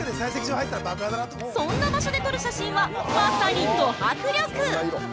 そんな場所で撮る写真はまさにド迫力！